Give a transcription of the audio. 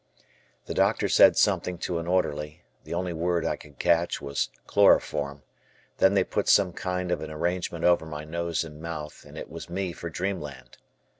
The doctor said something to an orderly, the only word I could catch was "chloroform," then they put some kind of an arrangement over my nose and mouth and it was me for dreamland.